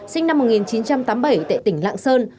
sinh năm một nghìn chín trăm tám mươi bảy tại tỉnh lạng sơn